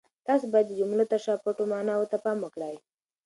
تاسو باید د جملو تر شا پټو ماناوو ته پام وکړئ.